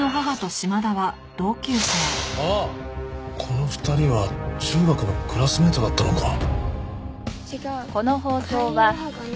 この２人は中学のクラスメートだったのか。